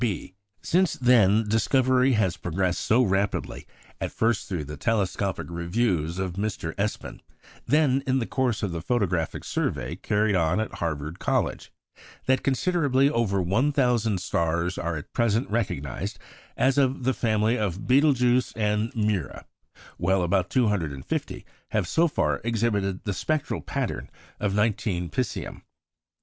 b). Since then discovery has progressed so rapidly, at first through the telescopic reviews of Mr. Espin, then in the course of the photographic survey carried on at Harvard College, that considerably over one thousand stars are at present recognised as of the family of Betelgeux and Mira, while about 250 have so far exhibited the spectral pattern of 19 Piscium.